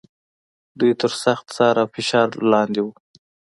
دوی تر سخت څار او فشار لاندې و.